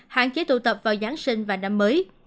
hạn chế tụ tập vào giáng sinh và năm mới